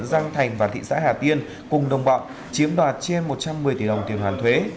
giang thành và thị xã hà tiên cùng đồng bọn chiếm đoạt trên một trăm một mươi tỷ đồng tiền hoàn thuế